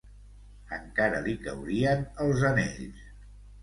Encara li caurien els anells.